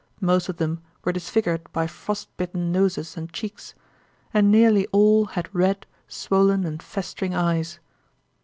Most of them were disfigured by frost bitten noses and cheeks, and nearly all had red, swollen and festering eyes.